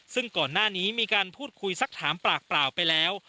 ซึ่งก่อนหน้านี้มีการพูดคุยสักถามปากเปล่าไปแล้ว